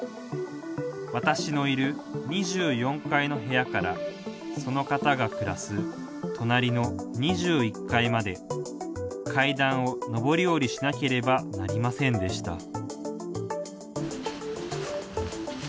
私のいる２４階の部屋からその方が暮らす隣の２１階まで階段を上り下りしなければなりませんでした